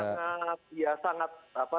jadi sangat ya sangat apa